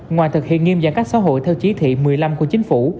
ngoài thực hiện nghiêm giãn các xã hội theo chí thị một mươi năm của chính phủ